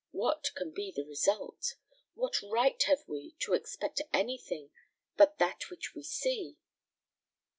What can be the result? What right have we to expect anything but that which we see?